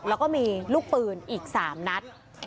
แล้วก็มีลูกปืนอีก๓นัด